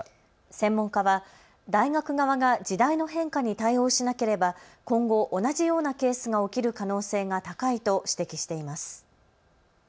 専門家は大学側が時代の変化に対応しなければ今後、同じようなケースが起きる可能性が高いと指摘しています。